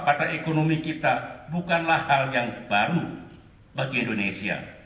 pada ekonomi kita bukanlah hal yang baru bagi indonesia